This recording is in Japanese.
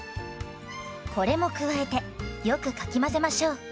これも加えてよくかき混ぜましょう。